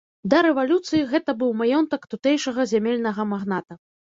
Да рэвалюцыі гэта быў маёнтак тутэйшага зямельнага магната.